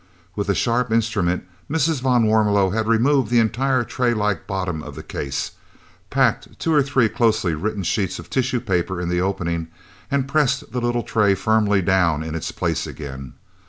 With a sharp instrument Mrs. van Warmelo had removed the entire tray like bottom of the case, packed two or three closely written sheets of tissue paper in the opening, and pressed the little tray firmly down in its place again.